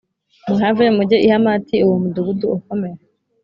muhave mujye i Hamati uwo mudugudu ukomeye